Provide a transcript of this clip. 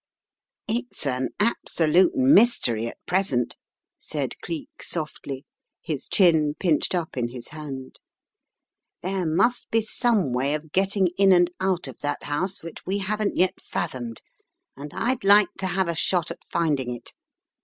"It's an absolute mystery at present/* said Cleek softly, his chin pinched up in his hand. "There must be some way of getting in and out of that house which we haven't yet fathomed, and I'd like to have a shot at finding it.